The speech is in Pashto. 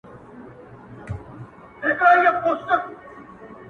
• خان له زین او له کیزې سره را ستون سو -